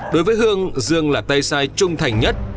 đối với hương dương là tay sai trung thành nhất